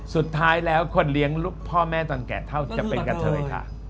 สุดท้ายแล้วคนเลี้ยงลูกพ่อแม่ตอนแก่เท่าจะเป็นกะเทยค่ะ